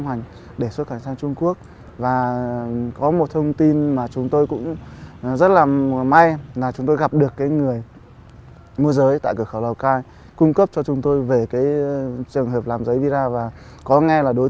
bàn chuyên án nhận định khả năng đối tượng sẽ trốn sang trung quốc nên đã tiến hành đón lõng đối tượng apao tại cửa khẩu lào cai kể cả các tuyến đường tiểu ngạch sang biên giới